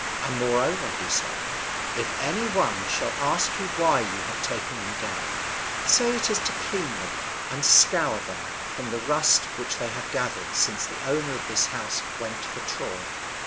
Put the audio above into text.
And moreover he said, "If any one shall ask why you have taken them down, say it is to clean them and scour them from the rust which they have gathered since the owner of this house went for Troy."